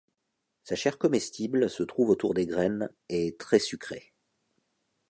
Sa chair comestible se trouve autour des graines et est très sucrée.